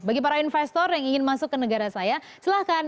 bagi para investor yang ingin masuk ke negara saya silahkan